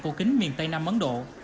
của kính miền tây nam ấn độ